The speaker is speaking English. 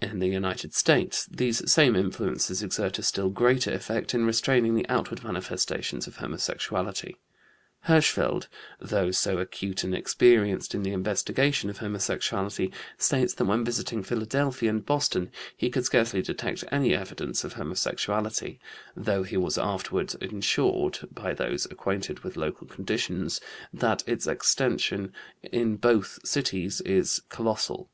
In the United States these same influences exert a still greater effect in restraining the outward manifestations of homosexuality. Hirschfeld, though so acute and experienced in the investigation of homosexuality, states that when visiting Philadelphia and Boston he could scarcely detect any evidence of homosexuality, though he was afterward assured by those acquainted with local conditions that its extension in both cities is "colossal."